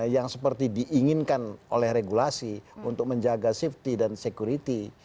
yang seperti diinginkan oleh regulasi untuk menjaga safety dan security